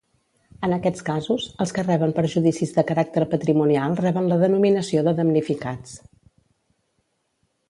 En aquests casos, els que reben perjudicis de caràcter patrimonial reben la denominació de damnificats.